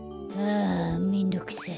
あめんどくさい。